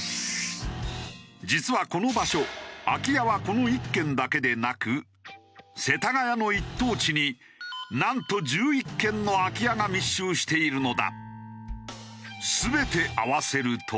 実はこの場所空き家はこの１軒だけでなく世田谷の一等地になんと１１軒の空き家が密集しているのだ。